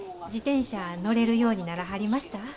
自転車乗れるようにならはりました？